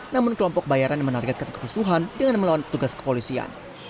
namun kelompok bayaran menargetkan kerusuhan dengan melawan petugas kepolisian